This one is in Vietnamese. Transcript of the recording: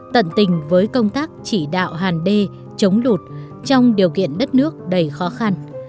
tận tình với công tác chỉ đạo hàn đê chống lụt trong điều kiện đất nước đầy khó khăn